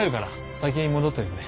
先に戻っててくれ。